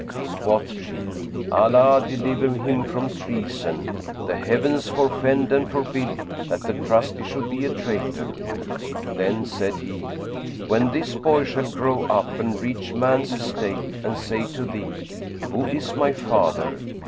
Quoth she, "Allah deliver him from treason! the Heavens forfend and forbid that the 'Trusty' should be a traitor!" Then said he, "When this boy shall grow up and reach man's estate and say to thee, 'Who is my father?'